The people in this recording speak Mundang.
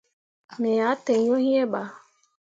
Me ah tǝǝ yo iŋ bah.